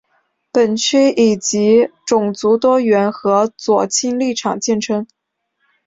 本区以其种族多元和左倾立场见称。